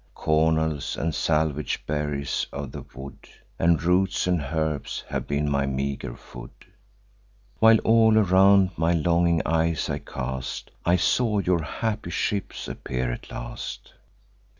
Cornels and salvage berries of the wood, And roots and herbs, have been my meager food. While all around my longing eyes I cast, I saw your happy ships appear at last.